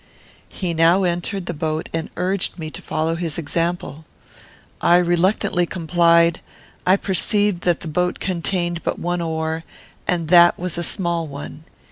He now entered the boat and urged me to follow his example. I reluctantly complied, I perceived that the boat contained but one oar, and that was a small one.